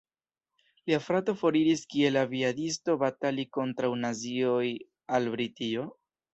Lia frato foriris kiel aviadisto batali kontraŭ nazioj al Britio.